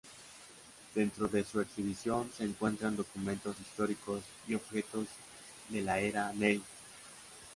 Dentro de su exhibición se encuentran documentos históricos y objetos de la era Meiji.